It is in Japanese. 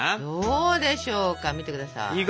どうでしょうか見てください。